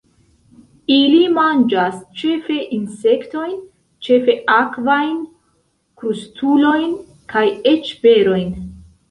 Ili manĝas ĉefe insektojn, ĉefe akvajn, krustulojn kaj eĉ berojn.